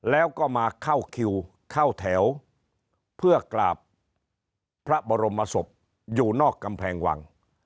แล้วก็มาเข้าคิวเข้าแถวเพื่อกราบพระบรมศพอยู่นอกกำแพงวัง